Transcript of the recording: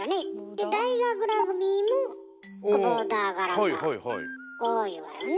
で大学ラグビーもボーダー柄が多いわよね。